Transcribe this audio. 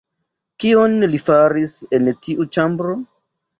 Kion li faris en tiu ĉambro?